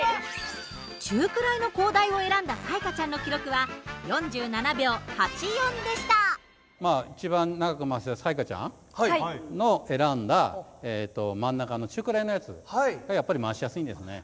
中くらいの高台を選んだ彩加ちゃんの記録はまあ一番長く回した彩加ちゃんの選んだ真ん中の中くらいのやつがやっぱり回しやすいんですね。